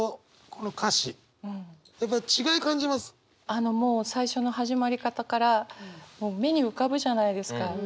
あのもう最初の始まり方から目に浮かぶじゃないですか。